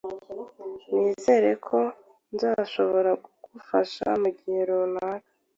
Nizere ko nzashobora kugufasha mugihe runaka